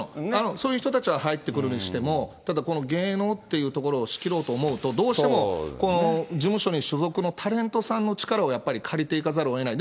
そういう人たちは入ってくるにしても、ただこの芸能というところを仕切ろうと思うと、どうしてもこの事務所に所属のタレントさんの力をやっぱり借りていかざるをえない。